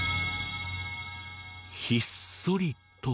ひっそりと。